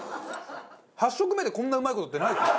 ８食目でこんなうまい事ってないですよ。